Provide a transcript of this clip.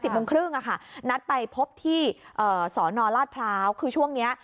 โมงครึ่งนัดไปพบที่เอ่อสอนอราชพร้าวคือช่วงเนี้ย